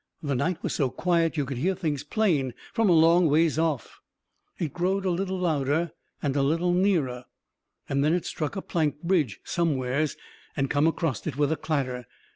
The night was so quiet you could hear things plain from a long ways off. It growed a little louder and a little nearer. And then it struck a plank bridge somewheres, and come acrost it with a clatter.